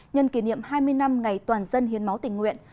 nhân kỷ niệm hai mươi năm ngày toàn dân hiến máu tình nguyện